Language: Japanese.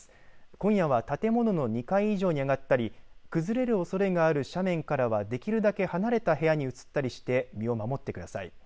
今夜は建物の２階以上に上がったり崩れるおそれがある斜面からはできるだけ離れた部屋に移ったりして身を守ってください。